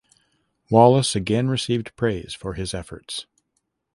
Wallis again received praise for his efforts.